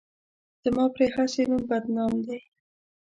زما پرې هسې نوم بدنام دی.